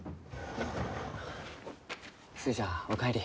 寿恵ちゃんお帰り。